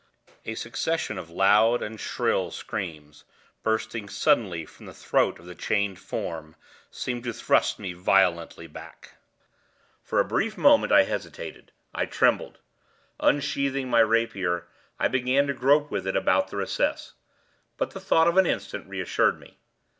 A succession of loud and shrill screams, bursting suddenly from the throat of the chained form, seemed to thrust me violently back. For a brief moment I hesitated—I trembled. Unsheathing my rapier, I began to grope with it about the recess; but the thought of an instant reassured me.